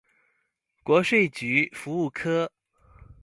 國稅局服務科